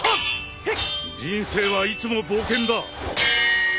人生はいつも冒険だ。